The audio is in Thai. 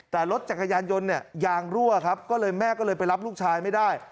แต่รถจักรยานยนต์เนี่ยยางรั่วครับก็เลยแม่ก็เลยไปรับลูกชายไม่ได้